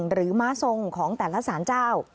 ม้าทรงของแต่ละสารเจ้า